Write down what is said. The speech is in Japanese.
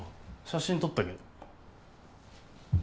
写真撮ったけど。